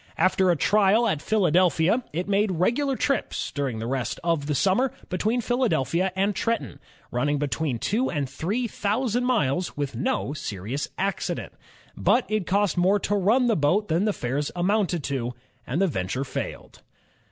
After a trial at Philadelphia, it made regular trips, during the rest of the summer, between Philadelphia and Trenton, running between two and three thousand miles with no serious accident. But it cost more to run the boat than the fares amounted to, and the venture failed.